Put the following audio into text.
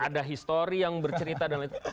ada histori yang bercerita dan lain lain